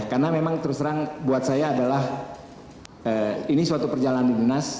karena memang terus terang buat saya adalah ini suatu perjalanan di dunas